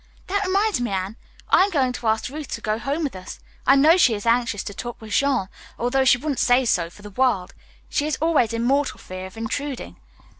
"That reminds me, Anne. I am going to ask Ruth to go home with us. I know she is anxious to talk with Jean, although she wouldn't say so for the world. She is always in mortal fear of intruding.